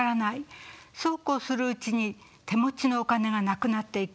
そうこうするうちに手持ちのお金がなくなっていく。